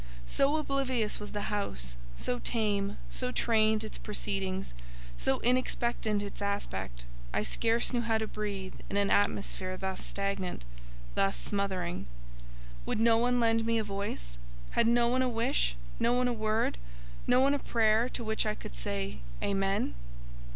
So oblivious was the house, so tame, so trained its proceedings, so inexpectant its aspect—I scarce knew how to breathe in an atmosphere thus stagnant, thus smothering. Would no one lend me a voice? Had no one a wish, no one a word, no one a prayer to which I could say—Amen?